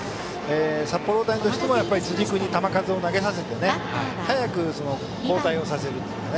札幌大谷としても辻君に球数を投げさせて、早く交代させる。